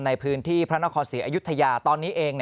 ในพื้นที่พระนครศรีอยุธยาตอนนี้เอง